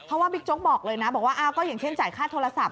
เพราะว่าบิ๊กโจ๊กบอกเลยนะบอกว่าก็อย่างเช่นจ่ายค่าโทรศัพ